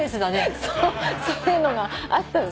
そういうのがあったの。